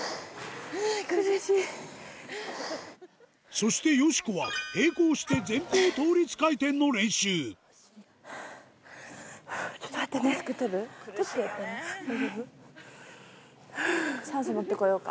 そしてよしこは並行して前方倒立回転の練習苦しいよね。